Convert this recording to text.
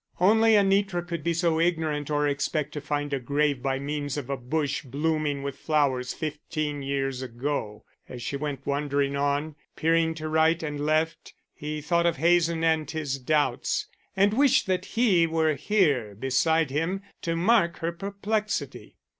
Only Anitra could be so ignorant or expect to find a grave by means of a bush blooming with flowers fifteen years ago. As she went wandering on, peering to right and left, he thought of Hazen and his doubts, and wished that he were here beside him to mark her perplexity.